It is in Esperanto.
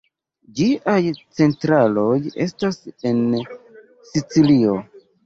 Ĝiaj centraloj estas en Sicilio.